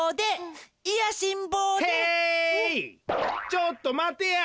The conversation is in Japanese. ちょっとまてや！